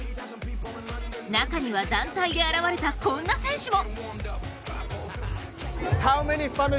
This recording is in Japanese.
中には、団体で現れたこんな選手も。